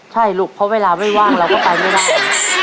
ใช่ลูกเพราะเวลาไม่ว่างเราก็ไปไม่ได้